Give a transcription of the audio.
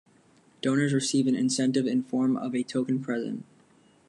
Donors receive an incentive in form of a token present.